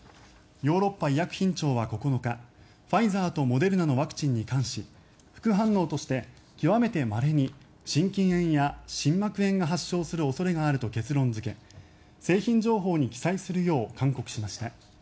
ヨーロッパ医薬品庁は９日ファイザーとモデルナのワクチンに関し副反応として極めてまれに心筋炎や心膜炎が発症する恐れがあると結論付け製品情報に記載するよう勧告しました。